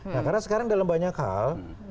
nah karena sekarang dalam banyak hal